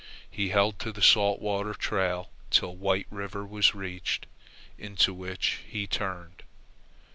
He held to the Salt Water trail till White River was reached, into which he turned.